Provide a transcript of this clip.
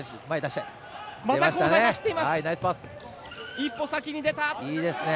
一歩先に出た！